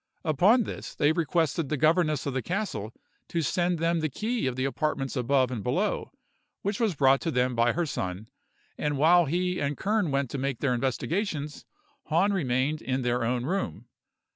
Upon this, they requested the governess of the castle to send them the key of the apartments above and below, which was brought them by her son; and while he and Kern went to make their investigations, Hahn remained in their own room.